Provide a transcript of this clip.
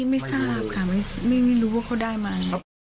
ไม่ทราบค่ะไม่รู้ว่าเขาได้มา